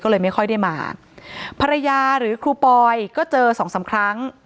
ก็เลยไม่ค่อยได้มาภรรยาหรือครูปอยก็เจอสองสามครั้ง